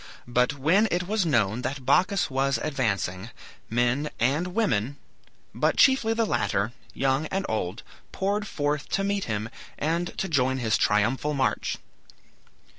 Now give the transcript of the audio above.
But when it was known that Bacchus was advancing, men and women, but chiefly the latter, young and old, poured forth to meet him and to join his triumphal march.